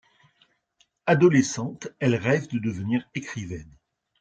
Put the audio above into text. Adolescente, elle rêve de devenir écrivaine.